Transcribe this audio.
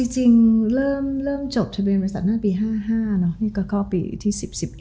จริงเลิกจบทะเบินบริษัทณนั่งปี๕๕เป็นก็ข้อปีที่๑๐๑๑